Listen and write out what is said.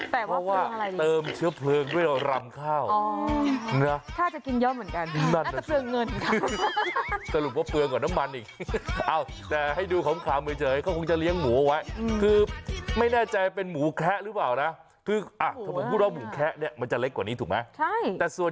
เพราะว่าเติมเชื้อเปลืองด้วยเรารำข้าว